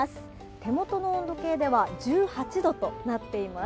手元の温度計では１８度となっています。